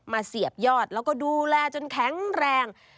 เสียบยอดแล้วก็ดูแลจนแข็งแรง